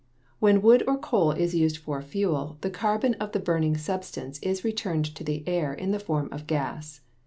When wood or coal is used for fuel the carbon of the burning substance is returned to the air in the form of gas.